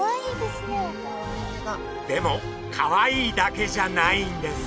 でもかわいいだけじゃないんです。